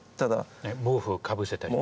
毛布をかぶせたりとか？